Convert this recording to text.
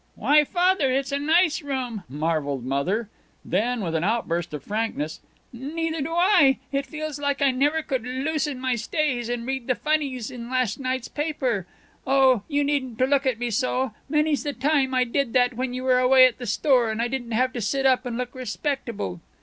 "Why, Father, it's a nice room!" marveled Mother. Then, with an outburst of frankness: "Neither do I! It feels like I never could loosen my stays and read the funnies in the last night's paper. Oh, you needn't to look at me so! Many's the time I did that when you were away at the store and I didn't have to sit up and look respectable."